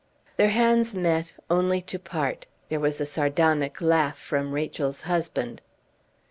Their hands met only to part. There was a sardonic laugh from Rachel's husband.